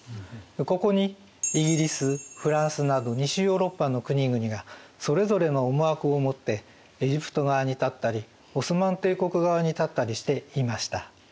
ここにイギリスフランスなど西ヨーロッパの国々がそれぞれの思惑を持ってエジプト側に立ったりオスマン帝国側に立ったりしていました。